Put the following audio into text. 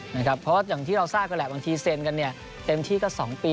เพราะว่าอย่างที่เราทราบกันแหละบางทีเซ็นกันเต็มที่ก็๒ปี